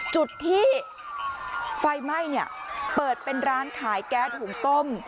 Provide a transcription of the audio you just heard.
จุดที่ไฟไหม้เนี่ยเปิดเป็นร้านขายแก๊สหุงต้ม